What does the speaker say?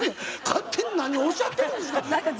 勝手に何をおっしゃってるんですか？